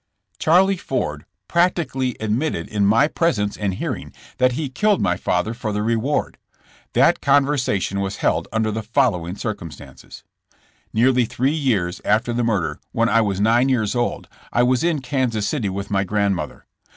'' Charlie Ford practically admitted in my presence and hearing that he killed my father for the reward. That conversation was held under the following cir cumstances : Nearly three years after the murder, when I was nine years old, I was in Kansas City with my grand mother.